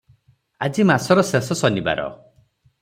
ଆଜି ମାସର ଶେଷ ଶନିବାର ।